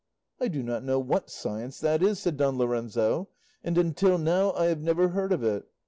"I do not know what science that is," said Don Lorenzo, "and until now I have never heard of it."